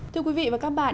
thưa quý vị và các bạn